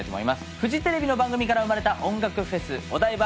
フジテレビの番組から生まれた音楽フェスオダイバ！！